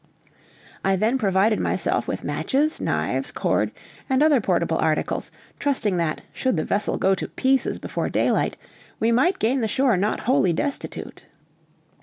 I then provided myself with matches, knives, cord, and other portable articles, trusting that, should the vessel go to pieces before daylight, we might gain the shore not wholly destitute.